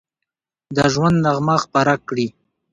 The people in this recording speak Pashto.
د ژوند نغمه خپره کړي